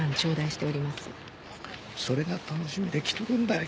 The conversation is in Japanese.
それが楽しみで来とるんだよ